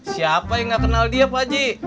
siapa yang gak kenal dia pagi